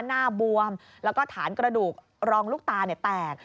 หน้าบวมแล้วก็ฐานกระดูกรองลูกตาแตก